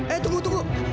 eh tunggu tunggu